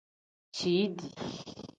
Ciidi.